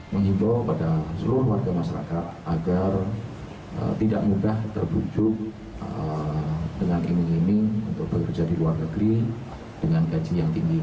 mengimbau pada seluruh warga masyarakat agar tidak mudah terbujuk dengan iming iming untuk bekerja di luar negeri dengan gaji yang tinggi